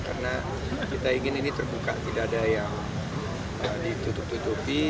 karena kita ingin ini terbuka tidak ada yang ditutup tutupi